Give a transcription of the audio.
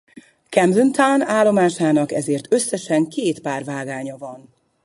Camden Town állomásnak ezért összesen két pár vágánya van.